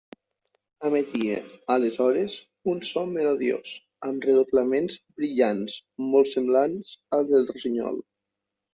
Emetia, aleshores, un so melodiós, amb redoblaments brillants, molt semblants als del rossinyol.